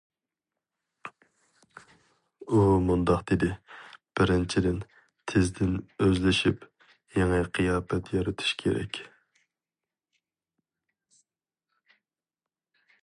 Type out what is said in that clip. ئۇ مۇنداق دېدى: بىرىنچىدىن، تېزدىن ئۆزلىشىپ، يېڭى قىياپەت يارىتىش كېرەك.